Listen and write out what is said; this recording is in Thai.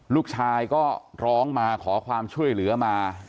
ลูกชายก็ร้องมาขอความช่วยเหลือมา